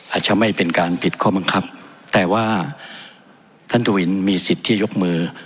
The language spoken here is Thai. อาจจะไม่เป็นการผิดข้อบังคับแต่ว่าท่านทวินมีสิทธิ์ที่ยกมือ